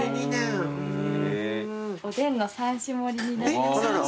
おでんの３種盛りになります。